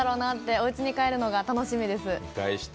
おうちで見返すのが楽しみです。